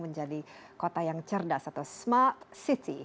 menjadi kota yang cerdas atau smart city